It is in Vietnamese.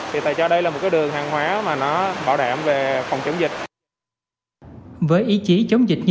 thì tại cho đây là một cái đường hàng hóa mà nó bảo đảm về phòng chống dịch với ý chí chống dịch